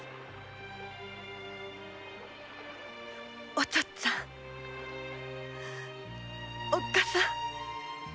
お父っつぁんおっかさん。